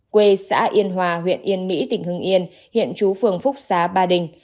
quê xã yên hòa huyện yên mỹ tỉnh hưng yên hiện chú phường phúc xá ba đình